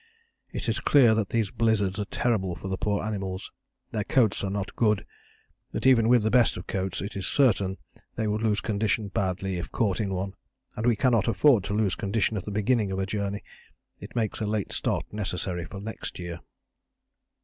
It is clear that these blizzards are terrible for the poor animals. Their coats are not good, but even with the best of coats it is certain they would lose condition badly if caught in one, and we cannot afford to lose condition at the beginning of a journey. It makes a late start necessary for next year.